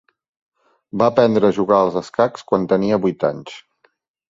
Va aprendre a jugar als escacs quan tenia vuit anys.